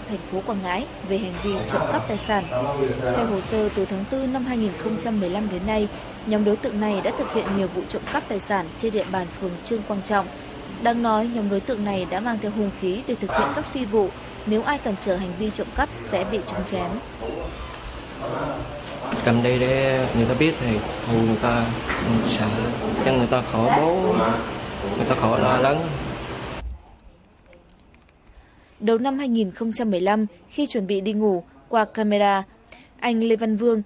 tại quảng ngãi công an thành phố quảng ngãi vừa kịp thời bắt quả tang bằng nhóm chuyên mang hung khí đe dọa để trộm cắp tài sản